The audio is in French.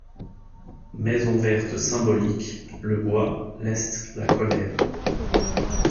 Maison Verte Symbolique : le bois, l’est, la colère.